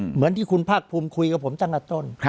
เหมือนที่คุณภาคภูมิคุยกับผมตั้งแต่ต้น